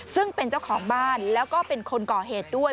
ซึ่งเป็นเจ้าของบ้านแล้วก็เป็นคนก่อเหตุด้วย